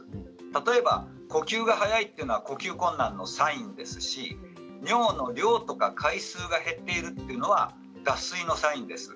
例えば呼吸が速いのは呼吸困難のサインですし尿の量とか回数が減っているというのは脱水のサインです。